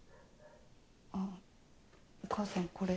あっお母さんこれ。